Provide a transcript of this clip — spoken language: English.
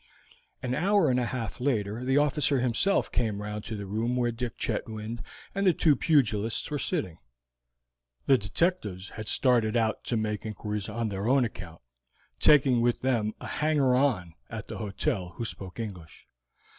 An hour and a half later the officer himself came round to the room where Dick Chetwynd and the two pugilists were sitting. The detectives had started out to make inquiries on their own account, taking with them a hanger on at the hotel who spoke English.